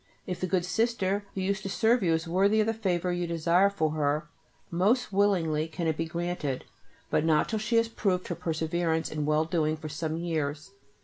If the good sister who used to serve you is worthy of the favour you desire for her, most willingly can it be granted, but not till she has proved her perseverance in well doing for some years.